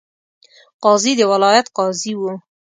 قاضي د ولایت قاضي وو.